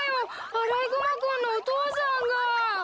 アライグマ君のお父さんが。